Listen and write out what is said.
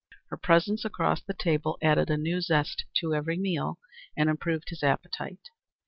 Her presence across the table added a new zest to every meal and improved his appetite.